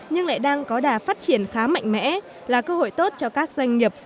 nhưng lại đang có đà phát triển khá mạnh mẽ là cơ hội tốt cho các doanh nghiệp